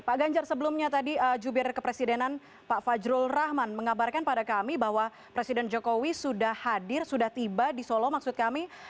pak ganjar sebelumnya tadi jubir kepresidenan pak fajrul rahman mengabarkan pada kami bahwa presiden jokowi sudah hadir sudah tiba di solo maksud kami